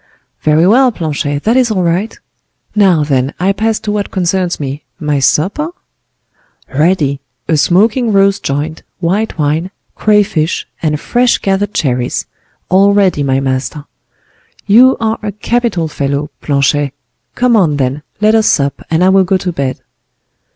"Very well, Planchet, that is all right. Now, then, I pass to what concerns me—my supper?" "Ready. A smoking roast joint, white wine, crayfish, and fresh gathered cherries. All ready, my master." "You are a capital fellow, Planchet; come on, then, let us sup, and I will go to bed."